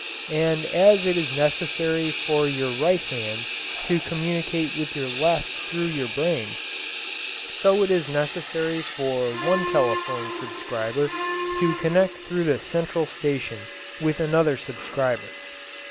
And as it is necessary for your right hand to communicate with your left through your brain, so it is necessary for one telephone subscriber to connect through the central station with another subscriber.